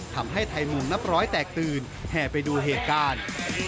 ทำให้ไทยมุงนับร้อยแตกตื่นแห่ไปดูเหตุการณ์